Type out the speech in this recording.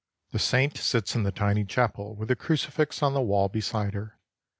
The saint sits in the tiny chapel with the crucifix on the wall beside her.